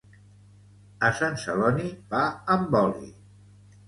A Sant Celoni pa amb oli